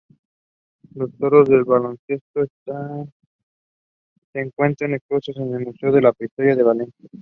Los toros de Balones se encuentran expuestos en el Museo de Prehistoria de Valencia.